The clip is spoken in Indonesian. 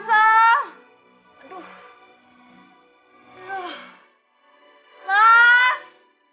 masa aku denger sih